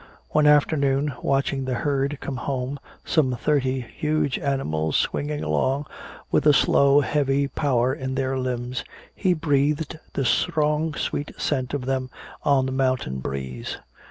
One afternoon, watching the herd come home, some thirty huge animals swinging along with a slow heavy power in their limbs, he breathed the strong sweet scent of them on the mountain breeze.